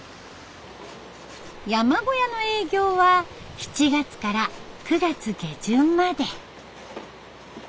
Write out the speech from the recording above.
山小屋の営業は７月から９月下旬まで。